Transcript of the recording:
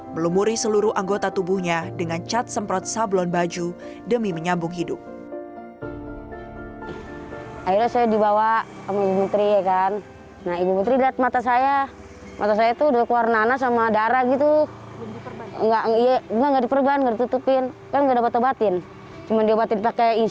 melumuri seluruh anggota tubuhnya dengan cat semprot sablon baju demi menyambung hidup